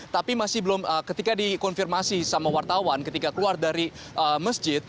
tapi masih belum ketika dikonfirmasi sama wartawan ketika keluar dari masjid